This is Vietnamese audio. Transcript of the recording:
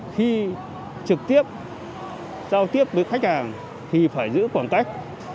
khi trực tiếp giao tiếp với khách hàng thì phải giữ khoảng cách